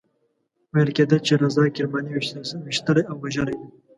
ویل کېدل چې رضا کرماني ویشتلی او وژلی دی.